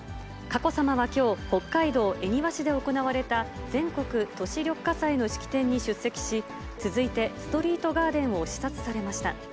佳子さまはきょう、北海道恵庭市で行われた全国都市緑化祭の式典に出席し、続いてストリートガーデンを視察されました。